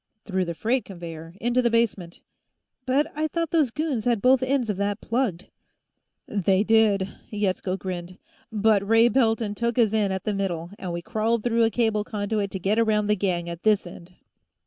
"Through the freight conveyor, into the basement." "But I thought those goons had both ends of that plugged." "They did," Yetsko grinned. "But Ray Pelton took us in at the middle, and we crawled through a cable conduit to get around the gang at this end."